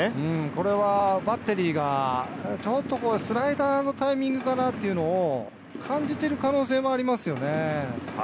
これはバッテリーがちょっとスライダーのタイミングかなっていうのを感じてる可能性もありますよね。